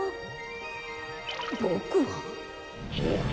ボクは？